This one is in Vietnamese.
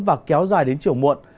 và kéo dài đến chiều muộn